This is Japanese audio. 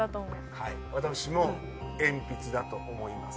はい私も鉛筆だと思います